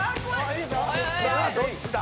さあどっちだ？